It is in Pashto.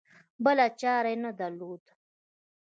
بله چاره یې نه درلوده.